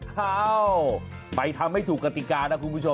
อ้าวไปทำให้ถูกกติกานะคุณผู้ชม